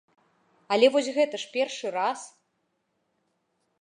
Але вось гэта ж першы раз.